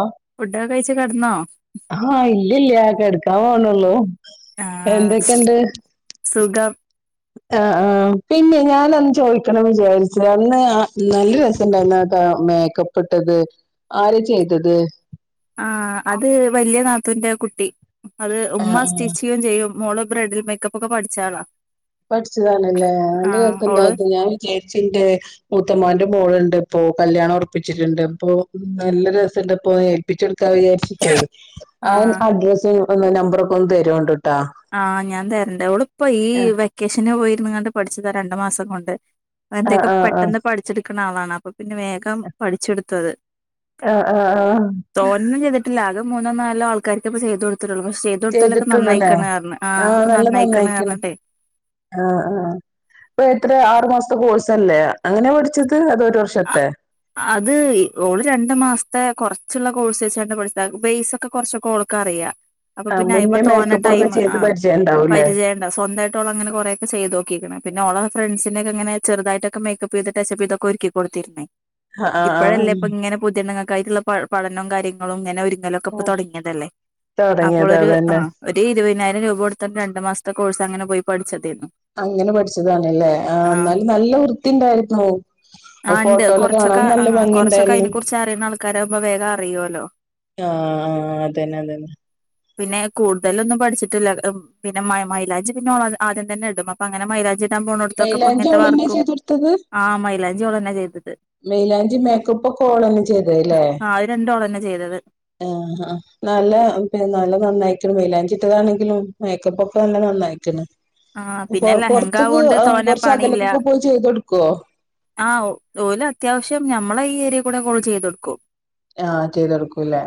ഓഹ് ഫുഡോക്കെ കയിച്ച് കെടന്നോ ആഹ് ഇല്ലില്ല കെടക്കാൻ പോണേള്ളൂ ആ എന്തൊക്കെണ്ട് സുഖം ആഹ് ആ പിന്നെ ഞാനന്ന് ചോയിക്കണന്ന് വിചാരിച്ച അന്ന് നല്ല രസണ്ടായിരുന്നുട്ടോ മേ [unintelligible] മേക്കപ്പിട്ടത് ആരാ ചെയ്തത് ആഹ് അത് വല്യനാത്തൂന്റെ കുട്ടി അത് ആഹ് ഉമ്മ ആഹ് സ്റ്റിച്ചിയും ച്ചെയ്യും മോള് ബ്രൈഡൽ മേക്കപ്പൊക്ക പഠിച്ചാളാ പഠിച്ചതാണല്ലേ ആ നല്ല ഓള് രസണ്ടായത് ഞാൻ വിചാരിച്ചിന്റെ മൂത്തമാന്റെ മോള്ണ്ട് ഇപ്പോ കല്യാണ ഒറപ്പിച്ചിട്ട്ണ്ട് ഇപ്പൊ നല്ല രസണ്ട്പ്പോ പ്പിച്ചെടുക്കാ വിചാരിച്ചിട്ടേ ആ അഡ്രസ്സു ഒന്ന് നമ്പറൊക്കൊന്ന് തരൊടു ആഹ് ഞാ തരണ്ട് ഓള് പ്പോ ഈ ആഹ് വെക്കേഷന് പോയിരുന്ന്ങ്ങാണ്ട് പഠിച്ചതാ രണ്ട് മാസകൊണ്ട് ആഹ് എന്തൊക്കെ ആഹ് പെട്ടെന്ന് ആഹ് പഠിച്ചെടുക്കണളാണ് അപ്പൊ പിന്നെ വേഗം പഠിച്ചെടുത്തത് ആഹ് ആഹ് ആഹ് തോനൊന്നും ചെയ്തിട്ടില്ല ആകാ മൂന്നോനാലോ ആൾക്കാര്ക്കിപ്പ ചെയ്തൊടുത്തിട്ടൊള്ളു പശെ ചെയ്ന്തോടുത്താലൊക്കെ നന്നായി ചെയ്തിട്ടുള്ളൂല്ലേ ക്ക്ണ്റഞ്ഞ് ആഹ് ഒക്ക നല്ല നന്നായി നന്നായിക്ക്ണ് ക്ക്ണർഞ്ഞിട്ടെ ആഹ് ആഹ് ഇപ്പ എത്ര ആർ മാസ്ത്തെ കോഴ്സ ല്ലേ അങ്ങനെ പഠിച്ചത് അതൊരുർഷത്തെ അത് ഈ ഓള്‌ രണ്ട് മാസ്ത്തെ കൊറച്ച്ള്ള കോഴ്സച്ചണ്ട് പഠിച്ച പൈസൊക്കെ കൊറച്ചൊക്കെ ഒ ഒക്കറിയാ ആഹ് അപ്പോപിന്നെ അയ്മ മുന്നേ മേക്കപ്പ് ഒക്കെ തോനടൈമ് ചെയ്ത് ആഹ് പരിചയം ഉണ്ടാവൂല്ലേ പരിചയ സ്വന്തയിട്ട് ഓൾ അങ്ങന കൊറേയൊക്കെ ചെയ്തോക്കിക്ക്ണ് പിന്നെ ഓളെ ഫ്രണ്ട്സിനക്കേ ഇങ്ങനെ ചെറുതായിട്ടൊക്കേ മേക്കപ്പീത് ടച്ചപ്പി തൊക്ക ഒരിക്കി കൊട്തീര്ന്നേ ആഹ് ആഹ് ഇപ്പഴല്ലേ ഇപ്പങ്ങനെ പുതണ്ണ്ങ്ങക്ക് ആയിട്ട്ള്ള പ പഠനും കാര്യങ്ങളും ഇങ്ങനെ ഒരുങ്ങലും കപ്പ് ആഹ് തൊടങ്ങിതല്ലേ തുടങ്ങിയത് അപ്പോളൊര് അതന്നെ ആഹ് ഒരു ഇരുതിനായിരം രൂപ കൊടുത്ത രണ്ടു മാസത്തെ കോഴ്സ് അങ്ങനെ പോയി പഠിച്ചതേരുന്നു അങ്ങനെ പഠിച്ചതാണല്ലേ ആ ന്നാലും നല്ല വൃത്തി ഇണ്ടാരുന്നു ഫോട്ടോല് കാണാൻ അ ആ നല്ല ഭംഗി കൊറച്ചൊക്കെ ഉണ്ടായിരുന്നു അയ്നെ കുറിച്ച് അറിണ ആൾക്കാര് ആവുമ്പോ വേഗം അറിയൊലൊ ആ ആ അതന്നെ അതന്നെ പിന്നെ കൂട്തലൊന്നും പഠിച്ചിട്ടില്ല പിന്നെ മൈ മൈലാജി പിന്നെ ഓള് ആദ്യം തന്നെ ഇടും അപ്പൊ അങ്ങനെ മൈലാജി ഇടാ പോണടത്തൊക്കെ ഇപ്പ മൈലാഞ്ചി ഇങ്ങൻത്ത ഓളന്നെ വർക്കും ചെയ്ത് കൊടുത്തത് ആഹ് മൈലാജി ഓളന്നെ ചെയ്തത് മൈലാഞ്ചിം മേക്കപ്പൊക്കേ ഓളന്നേ ചെയ്തല്ലേ ആഹ് അത് രണ്ടും ഓളന്നെ ചെയ്തത് ആഹ ആ നല്ല നല്ല നന്നായിക്ക്ണ് മൈലാഞ്ചിട്ടതാ ണെങ്കിലും മേക്കപ്പൊക്കെ നല്ല നന്നാ ക്ക്ണ് ആഹ് പിന്നെ പൊർ ലഹങ്ക പാർത്ത്ക്ക് ആവോണ്ട് തോനെ കൊറച്ച് അകലക്കൊക്കെ പോയി ചെയ് തൊട്ക്കാ ആ ഓല് അത്യാവിശ്യം ഞമ്മളെ ഈ ഏര്യകൂടൊക്കെ ഓള് ചെയ്തൊടുക്കും ആഹ് ചെയ്തെടുക്കൂല്ലേ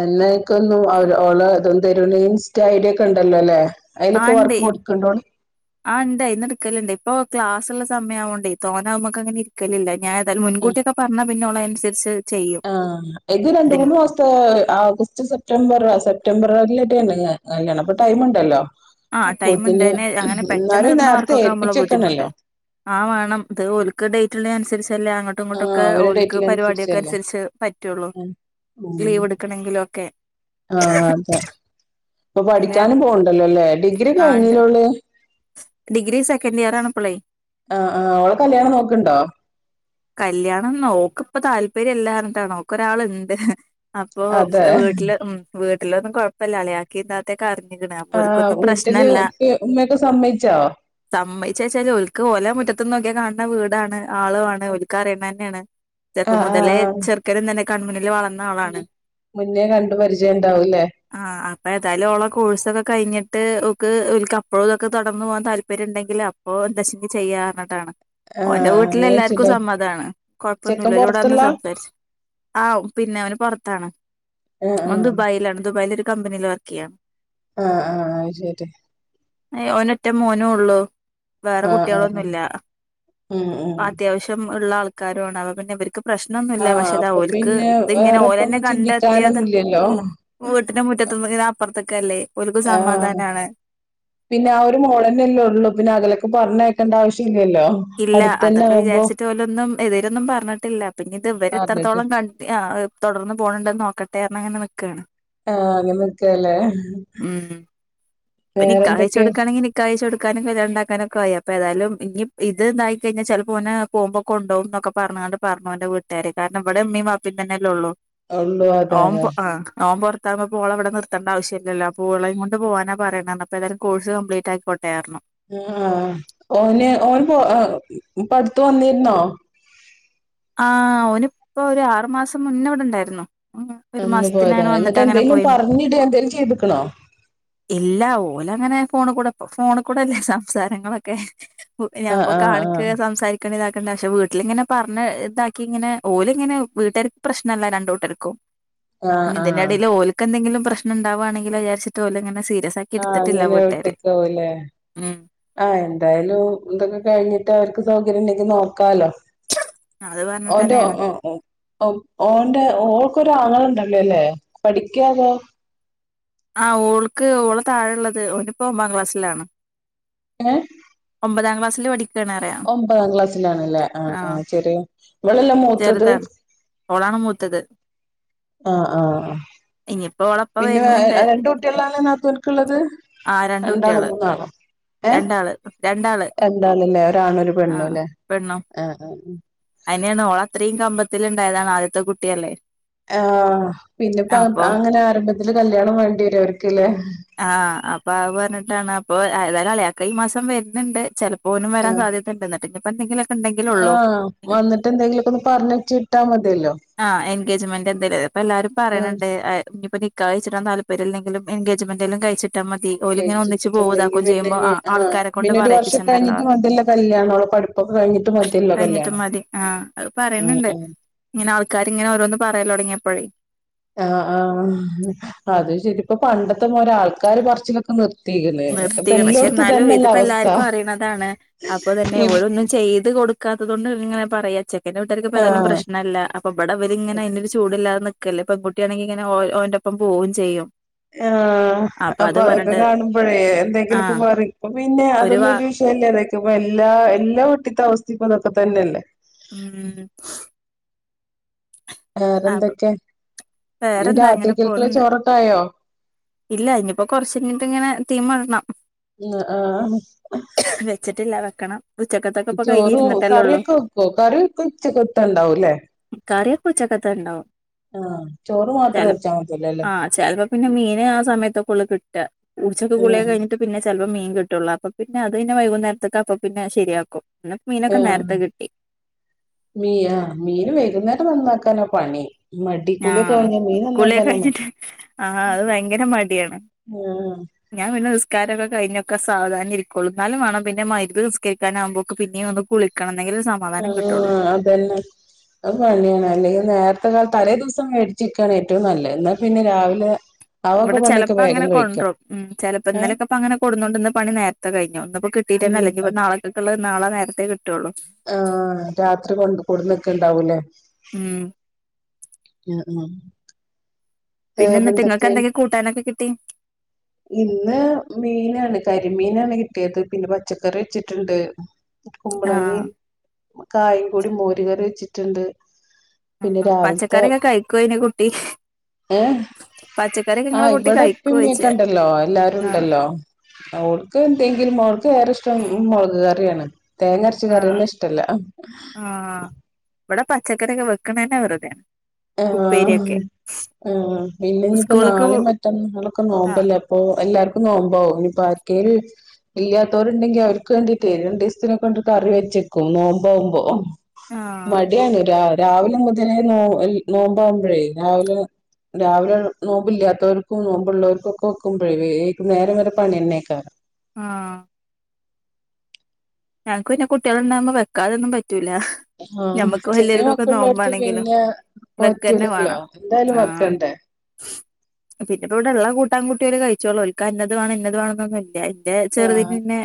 എന്നാക്ക് ഒന്നും ഓള ഇതൊന്ന് തരൊണ്ട് ഇൻസ്റ്റ ഐഡി ഒക്കെ ഇണ്ടല്ലോ ല്ലേ അയ്ലൊക്കെ വർക്ക് കൊടുക്ക്ണ്ടോളി ആ ഇണ്ട് അയ്ന്ന് ഇട്ക്കല്ണ്ട് ഇപ്പ ക്ലാസ് ഇള്ള സമയാവോണ്ടയ് തോന അഅ്മ്മക്ക് അങ്ങനെ ഇ രിക്കലില്ല ഞാൻ ഏതാലുംമുൻ കൂട്ടി ഒക്കെ പറഞ്ഞ പിന്നെഓള് ആയ്നൻസരിച് ആഹ് ഇത് രണ്ട്മൂന്ന് മാസ ഹ് ആഗസ്റ്റ് സെപ്റ്റംബർ സെപ്റ്റംബറിലേറ്റേണ് കല്യാണം അപ്പൊ ടൈമ്ണ്ടല്ലോ ആഹ് അപ്പോ ടൈം തിന് ഇണ്ടേനെ അങ്ങനെ പെട്ടെന്ന് ന്നാലും കിട്ടണ നേർത്തെ വർക്കൊക്കെ ആവുമ്പളാ ബുദ്ധിമുട്ട് ഏൽപ്പിച്ചെക്കണല്ലോ ആ വാണം ത് ഒൽക്ക് ഡേറ്റ് ഇള്ളേ നനുസരിച്ചല്ലേ അങ്ങോ ട് ആഹ് ങ്ങാട്ടൊക്കെ അവരെ ഓൽക്ക് പരിവാടി ഒക്കെ ഡേറ്റിനനുസരിച്ചല്ലേ അനുസരിച്ച് പറ്റുള്ളൂ ഉം ഉം ലീവ് ഇട്ക്കണക്കിൽ ഒക്കെ ആഹ് അത ഇപ്പൊ പിന്നെ പഠിക്കാനും പോണ്ടല്ലോ ല്ലേ ഡിഗ്രി ആണ്ട് കഴിഞ്ഞിലേ ഓള് ഡിഗ്രി സെക്കൻ് ഇയർ ആണ് പ്പളയ് ആ ആ ഓള കല്യാണം നോക്ണ്ടോ കല്യാണം ഓക് ഇപ്പ താല്പര്യം ഇല്ലാർന്നിട്ടാണ് ഓക് ഒരാള്ണ്ട് അപ്പൊ അതെ വീട്ടില് ഉം വീട്ടിലൊന്നും കൊഴപ്പല്ല അളിയാ ക്കിംതാത്തക്കെ അറിഞ്ക്ക്‌ണ് അപ്പോ ആഹ് ഓൽക്കൊന്നും വീട്ടില് പ്രശ്നല്ല ഉപ്പ ഉമ്മയൊക്കെ സമ്മയിച്ചോ സമ്മയ്ച്ചാച്ചാൽ ഓല്ക്ക് ഓല മുറ്റത്ത് ന്ന് നോക്കാ കാണ്ന്ന വീടാണ് ആളുവാണ് ക്കറിണന്ന്യണ് ചെറുപ്പം ആഹ് ആഹ് മുതലേ ആഹ് ചെറുക്കൻ തന്നെ കണ്മുന്നിൽ വള - - ഉം മുന്നേ കണ്ട് പരിചയം ഇണ്ടാവൂല്ലേ ആഹ് അപ്പഏതാലും ഓള കോഴ്സ് ഒക്കെ കയ്ഞ്ഞിട്ട് ഓക്ക് ഒല്ക് അപ്പഴും ഇതൊക്കെ തൊടർന്ന് പോകാൻ താല്പര്യം ഇണ്ടെങ്കിൽ അ പ്പോ എന്താച്ചിങ്ങി ചെയ്യാറഞ്ട്ടാണ് ഓ ന്റെ ആഹ് വീട്ട്ൽ അങ്ങനെ എല്ലാർക്കും വെച്ചിണ്ടാവും സമ്മ താണ് ചെക്കൻ കൊഴപ്പൊന്നുല്ല ഓല് ഇവട വന്ന് പൊറത്തുള്ള സംസാരിച്ച് ആ പിന്നെ ഓൻ പൊറത്താണ് ആഹ് ഓ ആഹ് ദുബായിലാണ് ദുബായിൽ ഒരു ക ബിനീൽല് വർക്കിയാണ് ആഹ് ആഹ് അയ്ശരി ഒരെറ്റ മോനും ഉള്ളൂ വേറെ ആഹ് ആഹ് ആഹ് കുട്ടികളൊന്നുംല്ല ഉം ഉം അത്യാവശ്യം ഉള്ള ആൾക്കാരണ് അവ പിന്നെവർ പ്രശ്നന്നുല്ല ആഹ് പക്ഷെ ഇതാ അപ്പൊ ഓല്ക്ക് പിന്നെ ഇത്ങ്ങനെ ഓലന്നെ വേറെപ്പൊന്നും കണ്ടെത്തിയത ചിന്തിക്കാനൊന്നുല്ലല്ലോ ഇല്ല വീട്ടിന്റെ മുറ്റത്ത്നിന്നപ്പുറത്തക്ക അല്ലേ ആഹ് പിന്നെ ആ ഒരു മോളന്നെല്ലേ ഉള്ളൂ പിന്നെ അകലൊക്കെ പറഞ്ഞയക്കേണ്ട ആവശ്യല്ലല്ലോ ഇല്ല അതൊക്കെ വിചാരിച്ചിട്ട് ഓലൊന്നും എതിരൊന്നും പറഞ്ഞിട്ടില്ല പിന്നെ ഇത് പറഞ്ഞിട്ട് ഇവരെത്രത്തോളം കണ്ട.. തുടർന്ന് പോകണണ്ടെന്ന് നോക്കട്ടെഅങ്ങനെ നിക്കാ ണ് ആഹ് നിക്കാലേ ഉം നിക്കാഹ് കഴിച്ചെടുക്കുകയാണെങ്കിൽ നിക്കാഹഴിച്ച കൊടുക്കാനും കല്യാണ ഉണ്ടാക്കാനും ഒക്കെ ആയി അപ്പൊ ഏതയാലും ഇനി ഇത്ണ്ടായി കഴിഞ്ഞ ചിലപ്പോൾ ഓന് പോകുമ്പൊ കൊണ്ടകും എന്നൊക്ക പറഞ്ഞുണ്ട് പറഞ്ഞു അവന്റെ വീട്ടുകാര് കാരണം ബ്ടെമ്മയും ബാപ്പയും തന്നെയല്ലേ ഉള്ളു. ഉള്ളൂ അതെ ഓം അതെ ഓൻ പൊർത്ത ർത്താകുമ്പോ പോള ഇവിടെ നിർത്തേണ്ട ആവശ്യലല്ലോ പോളയും കൊണ്ട് പോകാനാ പറേയണ്. എന്ന അപ്പോ ഏാതയാലും കോഴ്സ് കംപ്ലീറ്റ് ആക്കിക്കോട്ടൊറഞ്ഞു. ആ ഓന് ഓന് പോ പടുത്ത വന്നിരുന്നോ ആ ഓനിപ്പോ ഒരു ആറുമാസം മുന്നേ ഇവിടെണ്ടായിരുന്നു. അന്ന് പോയതാ എന്നിട്ട് എന്തെങ്കലും പറഞ്ഞിടോ എന്തേങ്കലും ചെയ്തിക്കണോ ഇല്ല അങ്ങനെഓല് ഫോൺ കൂടെ ഫോൺ കൂടെല്ലേ സംസാരങ്ങളൊക്കെ ഞാന ആഹ് ഇപ്പോ ആഹ് ആഹ് കാണിക്കേ സംസാരിക്കേ ഇതാക്കണ്ട് പക്ഷെ വീട്ടിലിങ്ങനെ പറഞ്ഞു. ന്നെ ഇതാക്കി ഇങ്ങനെ ഓലും ഇങ്ങനെ വീട്ടുകർക്ക് പ്രശ്നല്ല രണ്ട് കൂട്ടർക്കും. ആഹ് ഇനി ഇതിന്റെ ആഹ് ഇടയിൽ ഓൽക്ക് എന്തെങ്കിലും പ്രശ്നം ഉണ്ടാവാണെങ്കിൽ വിചാരിച്ചിട്ട് ഓലങ്ങെനെ സീരിയസ് ആക്കി ആഹ എടുത്തിട്ടില്ല അങ്ങനെ വീട്ടുകാര് കാട്ടിക്കാവുലേ. ഉം ആഹ എന്തായാലും ഇതൊക്കെ കഴിഞ്ഞിട്ട് അവർക്ക് സൗകര്യം ഉണ്ടെങ്കില് നോക്കാലോ. അത് പറഞ്ഞിട്ട് ഓന്റെ തന്നെയാണ് ഓ ഓന്റെ ഓൾക്കൊരു ആങ്ങള ഉണ്ടല്ലെലെ പഠിക്കാതോ. ആ ഓൾക്ക് ഓള് താഴെള്ളത് ഒനിപ്പോ ഒമ്പതാം ക്ലാസ്സിലാണ്. ഏങ്ങനെ ഒമ്പതാം ക്ലാസിൽ പടിക്ക ഒമ്പതാം ക്ലാസ്സിലാണല്ലേ ആ ആ ശെരി ഇവളല്ലെ മൂത്തത്. ചെറുതാണ് ഓളാണ് മൂത്തത്. ആ ആഹ ഇനിയിപ്പോ ഓളപ്പ പിന്നെ വരുന്നുണ്ട് രണ്ട് കുട്ടികളാണ് ന്നാ തനക്കുള്ളത്. ആ രണ്ട് കുട്ടികള് രണ്ടാമത്തോ ഏ രണ്ടാള് രണ്ടാള് രണ്ടാള്ല്ലെ ഒരാണ് ഒരു പെണ്ണുല്ലേ ആ അതിനെയാണ് ഓള അത്രയും കമ്പത്തിൽ ഉണ്ടായതാണ് ആദ്യത്തെ കുട്ടിയല്ലേ. ആഹ പിന്നെപ്പോ അപ്പൊ അങ്ങനെ ആരംഭത്തില് കല്യാണം വേണ്ടി വരു അവർക്ക്ല്ലേ. ആഹ അപ്പൊ അത് പറഞ്ഞിട്ടാണ് അപ്പൊ ഏതായാലും അളിയാക്ക ഈ മാസം വരുന്നുണ്ട് ചെല പോന്നും വരാൻ സാധ്യതുണ്ട് ന്നിട്ട് പ്പോ എന്തങ്കിലും ആഹ വന്നിട്ട് എന്തെങ്കിലുമൊക്ക ഒന്ന് പറഞ്ഞിച്ച് ഇട്ടാ മതിയല്ലോ. ആ എൻഗേജ്മെന്റ് എന്തേല അപ്പ എല്ലാരും ആഹ് പറയണണ്ട് ഇനിപ്പോ നിക്കാ ഹ് കഴിച്ചിടാൻ താല്പര്യമല്ലെങ്കില് എൻഗേജ്മെന്റല്ലും കഴിച്ചിട്ടാൽ മതി. ഓലിങ്ങനെ ഒന്നിച്ച് പോവും കേട്ടിട്ടിട്ടുണ്ടെങ്കിൽ ഇതാക്കും ചെയ്യുമ്പോ പിന്നെ ആഹ് ആ ആൾക്കാരെ കൊണ്ട് പിന്നെ ഒരു വർഷം പറയിപ്പിച്ചണ്ടല്ലോ കഴിഞ്ഞിട്ട് പറഞ്ഞു മതിയല്ലൊ കല്യാണം ഓളെ പഠിപ്പ് ഒക്കെ കഴിഞ്ഞട്ട് മതിയല്ലോ കല്യാണം ഇറ്റ മതി ആഹ അത് ഉം പറയുന്നുണ്ട് ഉം ഇങ്ങനെ ആൾക്കാർ ഇങ്ങനെ ഓരോന്ന് പറയല് തുടങ്ങിയപ്പോഴേ ആ ആ അത് ശരിപ്പ പണ്ടത്തെ പോലെ ആൾക്കാര് പറച്ചിലൊക്കെ നിർത്തി നിർത്തി പക്ഷെ എന്നാലും ഇതിപ്പോ അവസ്ഥ എല്ലാർക്കും അറിയണതാണ്. അപ്പൊ തന്നെ ഓരോന്നും ചെയ്ത് കൊടു ക്കാത്തത് കൊണ്ട്ങ്ങനെ പറയാ ചെക്കന്റെ വീട്ടർക്ക് ഇപ്പോ ആഹ് ഏതായാലുപ്രശ്നല്ല. അപ്പ അവിടെ അവര്ങ്ങനെ അയിന്റൊരു ചൂടില്ലാതെ നിക്കല്ലേ പെൺകുട്ടിണെങ്കി ഇങ്ങനെഓന്റെ ഒപ്പം പോകും ചെയ്യും. ആ അപ്പൊ അത് അതൊക്കെ പറഞ്ഞിട്ട് കാണുമ്പോഴേ എന്തെങ്കിലൊക്കെ ആഹ് പറയും പിന്നെ ഒരു വാ അതൊന്നരു വിഷ പല്ലേ എല്ലാ വീട്ടിത്തെ അവസ്ഥക്കപ്പതൊക്കെന്നെയല്ലേ. ഉം [inaudible] അപ്പൊ വേറെന്തൊക്കെ ഇ വേറെന്താ രാത്രി അങ്ങനെ കേൽക്കുള്ള പോണണ്ട് ചോറട്ക്കായോ. ഇല്ല നിയിപ്പോ കൊറച്ചഴിങ്ങിട്ട് ഇങ്ങനെ ത്തീമടണം. ഇല്ലാ ആഹ വെച്ചിട്ടില്ല വെക്കണം. ഉച്ചക്കത്തൊക്കെ ഇപ്പൊ ചോറും കഴിഞ്ഞിരുന്നിട്ടല്ലേ ഉള്ളൂ കറിയൊക്കെ വെക്കോ കറിയൊക്കെ ഉച്ചക്കത്ത്ണ്ടാവൂല്ലേ. കറിയക്കെ ഉച്ചക്കത്ത ഉണ്ടാവും. ആഹ് ചോറ് ച മാത്രം വെച്ചാ മതിയല്ലോല്ലേ ആഹ ചിലപ്പോ പിന്നെ മീന് ആ സമയത്തൊക്കെ ഉള്ളു കിട്ട. ഉച്ചക്ക് ആഹ് കുളിയകഴിഞ്ഞിട്ട് പിന്നെ ചെലപ്പോ മീൻ കിട്ടൂള്ളൂ അപ്പൊ പിന്നെ അത് പിന്നെ വൈകുന്നേരത്തേ അപ്പൊ പിന്നെ ശരിയാക്കും. മീനൊക്കെ ആഹ നേരത്തെ കിട്ടി. മീ ആ മീൻ വൈകുന്നേരം നന്നാക്കാനാ പണി മടി കുളിയൊക്കെ ആഹ കഴിഞ്ഞാ മീൻ കുളിയൊ നന്നാക്കാനാ മടി കഴിഞ്ഞിട്ട് ആ അത് ഭയങ്കര മടിയാണ് മ്മ് ഞാൻ പിന്നെ നിസ്ക്കാരം ഒക്കെ കഴിഞ്ഞൊക്കെ സാധാനം ഇരിക്കുള്ളൂ എന്നാലും വേണം പിന്നെ മയ്യത്ത് നിസ്കരിക്കാനാവുമ്പോക്കും പിന്നെയും ഒന്ന് കുളി കണം നെങ്കിലെയേ സമാ ആഹ അതന്നെ അത് പണിയാണ് അല്ലെങ്കിൽ നേരത്തെ കാല തലേ ദിവസം മേടിച്ചിരിക്കുകയാണ് ഏറ്റവും നല്ല എന്നാൽ പിന്നെ രാവിലെ ആവൊക്കെ ഇവിടെ പണിയൊക്കെ ചെലപ്പോ അങ്ങനെ വേഗം കഴിക്കാം കൊണ്ടോറും ഉം ചിലപ്പോ ഏഹ് ഇന്നലെ അങ്ങനെ കൊണ്ട്റോന്ന്ണ്ട് പണി നേരത്തെ കഴിഞ്ഞു ഇന്ന്പ്പനി ഉം കിട്ടീട്ടന്നല്ല ഞ്ഞിപ്പോ നാളെക്കക്കുള്ള നാളെ നേരത്തെ കിട്ടള്ളൂ. ആഹ രാത്രി കൊണ്ട് കൂടുന്നക്ക ഉണ്ടാവൂല്ലേ ഉം യ ആ [unintelligible] പിന്നെ എന്നിട്ട് നിങ്ങൾക്ക് എന്തെക്ക കൂട്ടാനൊക്കെ കിട്ടി ഇന്ന് മീനാണ് കരിമീനാണ് കിട്ടിയത് പിന്നെ പച്ചക്കറി വെച്ചിട്ടുണ്ട് ആഹ് കുമ്പളങ്ങയും കായും കൂടി മോരുകറി വെച്ചിട്ടുണ്ട് പിന്നെ പച്ചക്കറിയൊക്കെ കഴിക്കുയോ അയ്‌ന് കുട്ടി ഏ പച്ചക്കറിയൊക്കെ ഇങ്ങളെ ആഹ് കുട്ടി കഴിക്കോയ്ച്ച ഇവിടെപ്പിമ്മിക്കെ ഉണ്ടല്ലോ എല്ലാരും ആഹ് ഉണ്ടല്ലോ അവൾക്ക് എന്തെങ്കിലും അവൾക്ക് വേറെ ഇഷ്ടം മുളക് കറിയാണ് തേങ്ങരച്ച ആഹ് കറിയന്നെ ഇഷ്ടല്ല ആഹ് ഇവിടെ പച്ചക്കറിയോക്കെ വെക്കുണത് തന്നെ വെറുതെയാ ആ ആ പിന്നെ ഇനിയിപ്പോ സ്കൂള്ക്ക് നാളെ മറ്റന്നാളൊക്കെ ആഹ് നോമ്പല്ലേ അപ്പൊ എല്ലാർക്കും നോബാവും ഇനീപ്പോർകെങ്കിലും ഇല്ലാത്തവരുണ്ടെങ്കി അവർക്ക് വേണ്ടിട്ട് രണ്ട് ദിവസത്തിനകെ കറി വെച്ചേക്കും നോബാകുമ്പോ ആഹ് മടിയാണ് രാവിലെ മുതലേ നോ നോമ്പകുമ്പോഴേ രാവിലെ രാവിലെ നോമ്പില്ലാതോർക്കും നോമ്പുള്ളവർക്കും ഒക്കെ വെക്കുമ്പഴേ വേ നേരം വരെ പണിനന്നേക്കാരം ആഹ ഞങ്ങക്ക് പിന്നെ കുട്ടികളുണ്ടാകുമ്പോ വെക്കാതൊന്നും പറ്റൂല ആഹ് നമ്മുക്കും ചെറിയ വല്ല്യാക്കൊക്കെ മക്കളുള്ളോട്ത്ത് നോബാണെങ്കിലും പിന്നെ വെക്കന്ന പറ്റൂലല്ലോ വേണം എന്തായാലും ആഹ വെക്കണ്ടേ പിന്നെ ഇപ്പം ഇവിടെ ഉള്ള കൂട്ടാൻ കൂട്ടി അവർ കഴിച്ചോള്ളും ഒരിക്ക അന്നത് വേണം ഇന്നത് വേണം എന്നൊന്നും ഇല്ല ആഹ് ചെറുതിങ്ങ് പിന്നെ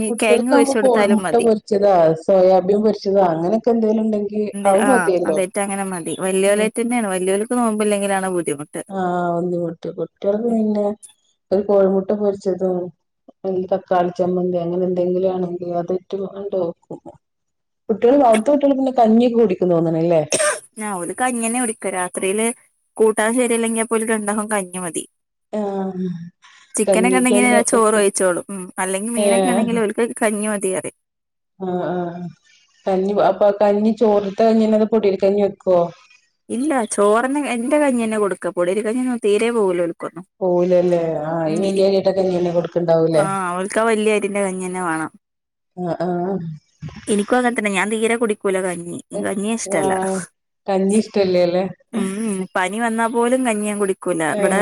ഈ കിഴങ്ങ് കുട്ടികൾക്കാവുമ്പോ വേവിച്ചു കൊടു കോഴിമുട്ട പൊരിച്ചതോ സോയാബീൻ പൊരിച്ചതോ അങ്ങനെയൊക്കെ എന്തേലും ഉണ്ടെങ്കി എന്ത അത് ആഹ് മതിയല്ലോ അതേറ്റ അങ്ങനെ മതി വലിയോലായിട്ട് തന്നെയാണ് വലിയോലക്ക് നോമ്പില്ലെങ്കിലാണ് ബുദ്ധിമുട്ട് ആഹ് ബുദ്ധിമുട്ടി കുട്ടികൾക്ക് പിന്നെ ഒരു കോഴിമുട്ട പൊരിച്ചതും അല്ലെങ്കി തക്കാളി ചമ്മന്തി അങ്ങനെ എന്തെങ്കിലും ആണെക്കി അതിട്ട് അങ്ങട്ട് വെക്കും കുട്ടികൾ അവിടുത്തെ കുട്ടികൾ പിന്നെ കഞ്ഞി കുടിക്കൂന്ന് തോന്നണില്ലേ ഓര് കഞ്ഞി തന്നെയാ കുടിക്ക രാത്രിയില് കൂട്ടാൻ ശരിയല്ലെങ്കിൽ അപ്പോഴും രണ്ടാക്കും കഞ്ഞി മതി ആഹ് ചിക്കനൊക്കെ ഉണ്ടെങ്കിൽ കഞ്ഞിക്കല്ല ചോറ് ഉപ്പും വെച്ചോളും ഉം അല്ലെങ്കിൽ മീനൊക്കെ ഏഹ് ആണെങ്കിൽ ഓൽക്ക് കഞ്ഞിമതിറിം ആഹ ആഹ ആഹ കഞ്ഞി അപ്പൊ കഞ്ഞി ചോറ്ത്തെ കഞ്ഞിന്നെ പൊടി അരി കഞ്ഞി വെക്കുവോ ഇല്ല ചോറിന് എന്റെ കഞ്ഞി തന്നെ കൊടുക്ക പൊടി അരി കഞ്ഞി ഒന്നും തീരെ പോവൂലല്ലോർ പോവൂലല്ലേ ആ ഈ വലിയരിയിട്ട കഞ്ഞി അല്ലെ കൊടുക്കണ്ടാവൂല്ലേ അവൾക്കാ വലിയ ത്തിന്റെ കഞ്ഞി തന്നെ വേണം ഇഹ് ആഹ എനിക്കും അങ്ങനെ തന്നെ ഞാൻ തീരെ കുടിക്കൂല കഞ്ഞി കഞ്ഞിയെ ആ ഇഷ്ടല്ല കഞ്ഞി ഇഷ്ടവല്ല അല്ലേ ഉം പനി വന്നാ പോലും കഞ്ഞി ഞാൻ കുടി ആഹ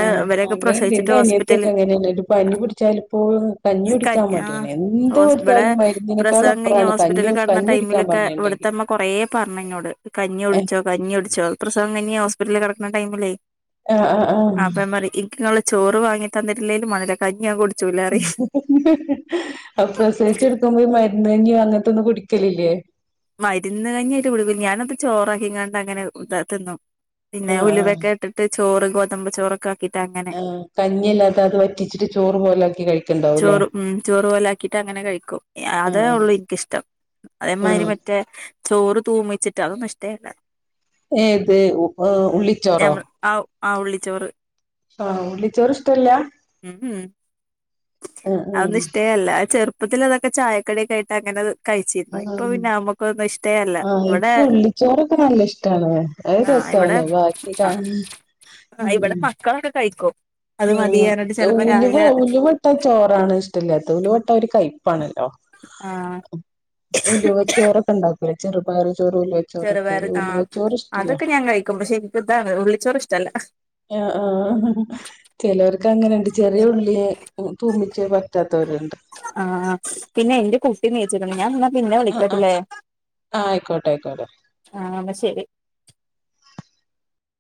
അങ്ങനൊണ്ട് എന്റെ അനിയത്തിഒക്കെ ഹോസ്പിറ്റല് അങ്ങനെ തന്നെ ഒരു പനി പിടിച്ചാൽ ഇപ്പോ കഞ്ഞി കുടിക്കാൻ ആഹ് മടിയില്ല എന്ത് ഹോസ് ഇബടെ കൊടുത്താലും മരുന്നിനേക്കാൾ പ്രസവം കഴിഞ്ഞ് അപ്പറാണ് ഹോസ്പിറ്റലിൽ കിടന്ന ടൈമിലൊക്കെ ഇവിടുത്തമ്മ കുറേ പറഞ്ഞ് എന്നോട് കഞ്ഞി ഒഴിച്ചോ കഞ്ഞി കുടിച്ചോന്ന് പ്രസവം കഞ്ഞി ഹോസ്പിറ്റലി കിടക്കുന്ന ടൈമിലേ ആഹ് ആഹ് ആഹ് അപ്പം അമ്മ പറയും എനിക്ക് അവൾ ചോറ് വാങ്ങി തന്നട്ടിലേലും വേണ്ടീല കഞ്ഞി ആ കൊടു അ പ്രസവിച്ചെടുക്കുമ്പോ മരുന്നിൻ്റിം അങ്ങൻത്തൊന്നും കുടിക്കലില്ലേ മരുന്ന് കഞ്ഞായിട്ട് കുളിക്കും ഞാനത് ചോറക്കിങ്ങാണ്ടങ്ങനെ താ തിന്നും പിന്നെ ആഹ് ആഹ് ഉലുവൊക്ക ഇട്ടിട്ട് ചോറ് ഗോതമ്പ ചോറൊക്കാക്കിട്ട് ആഹ് കഞ്ഞില്ലാതെ അത് വറ്റിച്ചിട്ട് ചോറ് പോലാക്കി കഴിക്കണ്ടാവുംല്ലേ ചോറ് ഉം ചോറു പോലാ ക്കിട്ടങ്ങനെ കഴിക്കും അതേ ആഹ് ഉള്ളൂ ഇൻക്കിഷ്ടം അതേമാതിരി ആഹ് മറ്റേ റ്റേ ചോറ് തൂമിച്ചിട്ട് അതൊന്നുഷ്ടേല്ല ഏത് ഏഹ് ഉള്ളിച്ചോറോ ഞമ്മൾ ആ ആ ഉള്ളിച്ചോറ് ആഹ് ഉള്ളിച്ചോറിഷ്ടല്ല ഉം ഉം അതൊന്നും ഇഷ്ടേ അല്ല ചെറുപ്പത്തിൽ അതൊക്കെ ചായക്കട്യക്കായിട്ട് അങ്ങനെത് കഴിച്ചിരുന്നു ഇപ്പൊ ആഹ് പിന്നെ നമ്മുക്കൊന്നും ഇഷ്ടേല്ല ആഹ് ഇവിടെ എനിക്ക് ഉള്ളിച്ചോറൊക്കെ നല്ല ഇഷ്ടാണ് അത് ആഹ് ഇവിടെ രസാണ് ബാക്കി കാ ആ ഇവിടെ ഉം മക്കളൊക്കെ കഴിക്കും അത് മതിയാനായിട്ട് ആഹ് ചിലപ്പോ ഉലുവ രാവിലെ ഉലുവട്ട ചോറാണ് ഇഷ്ടമല്ലാത്തെ ഉലുവട്ടാ ഒരു കയ്പ്പാണല്ലോ ആഹ് ഉലുവ ചോറൊക്കെണ്ടാക്കൂലെ ചെറുപായർ ചോർ ഉലുവ ചെറുപയർ ആഹ് അതൊക്കെ ഞാൻ കഴിക്കും പക്ഷെ എനിക്താണ് ഉള്ളിച്ചോറിഷ്ടല്ല ആഹ് ആഹ് ആ ചെലോർക്കങ്ങനെണ്ട് ചെറിയ ഉള്ളിയ തൂമിച്ചത് പറ്റാത്തോരുണ്ട് ആഹ് പിന്നെ എന്റെ കുട്ടി നീച്ച്ക്ക്ണ് ഞാൻ പിന്നെ ആഹ് ആഹ് വിളിക്കട്ടില്ലേ ആഹ് ആയിക്കോട്ടെ ആയിക്കോട്ടെ ആഹ് പ്പ ശരി